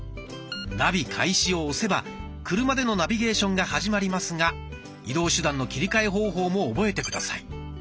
「ナビ開始」を押せば車でのナビゲーションが始まりますが移動手段の切り替え方法も覚えて下さい。